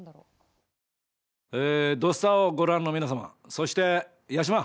「土スタ」をご覧の皆様そして八嶋！